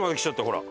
ほら。